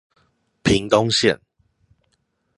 屏東縣